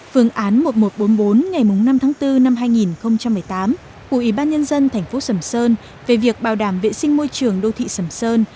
phương án một nghìn một trăm bốn mươi bốn ngày năm tháng bốn năm hai nghìn một mươi tám của ủy ban nhân dân thành phố sầm sơn về việc bảo đảm vệ sinh môi trường đô thị sầm sơn